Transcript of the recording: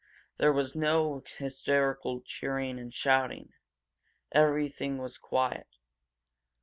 There was no hysterical cheering and shouting; everything was quiet.